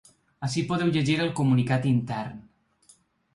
Ací podeu llegir el comunicat intern.